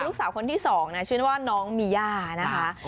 ลูกสาวคนที่๒นะชื่อว่าน้องมีย่านะคะ